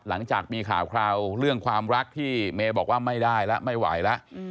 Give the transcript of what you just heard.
หลังจากมีข่าวคราวเรื่องความรักที่เมย์บอกว่าไม่ได้แล้วไม่ไหวแล้ว